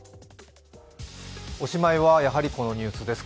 おしまいは、やはりこのニュースです。